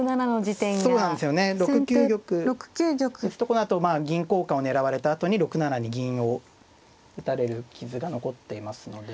このあと銀交換を狙われたあとに６七に銀を打たれる傷が残っていますので。